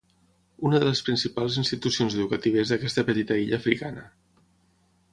Una de les principals institucions educatives d'aquesta petita illa africana.